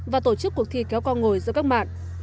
và tổ chức cuộc thi kéo co ngồi giữa các mạng